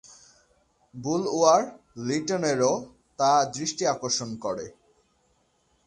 বুলওয়ার-লিটনেরও তা দৃষ্টি আকর্ষণ করে।